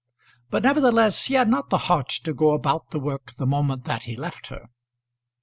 But, nevertheless, he had not the heart to go about the work the moment that he left her.